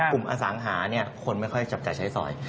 กลุ่มอสังหาคนไม่ค่อยจับจ่ายใช้สอย